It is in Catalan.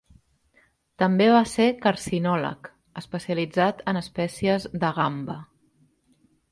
També va ser carcinòleg, especialitzat en espècies de gamba.